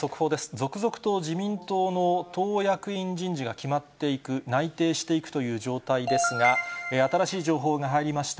続々と自民党の党役員人事が決まっていく、内定していくという状態ですが、新しい情報が入りました。